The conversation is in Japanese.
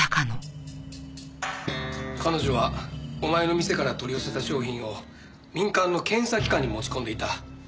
彼女はお前の店から取り寄せた商品を民間の検査機関に持ち込んでいた。